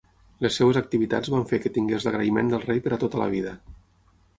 Les seves activitats van fer que tingués l'agraïment del rei per a tota la vida.